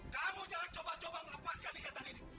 kamu jangan coba coba melepaskan ikatan ini